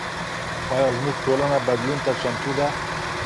ایا زموږ ټولنه بدلون ته چمتو ده؟